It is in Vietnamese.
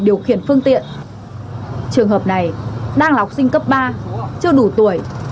điều khiển phương tiện trường hợp này đang là học sinh cấp ba chưa đủ tuổi